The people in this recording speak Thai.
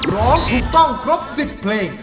ร้องถูกต้องครบ๑๐เพลง